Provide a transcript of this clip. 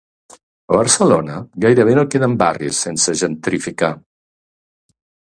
A Barcelona, gairebé no queden barris sense gentrificar.